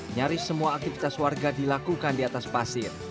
nyaris semua aktivitas warga dilakukan di atas pasir